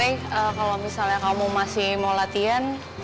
rey kalo misalnya kamu masih mau latihan